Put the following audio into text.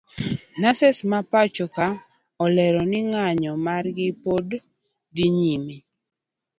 nurses mapachoka olero ni nganyo margi pod dhi nyime.